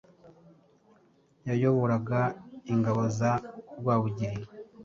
Yayoboraga ingabo za Rwabugiri,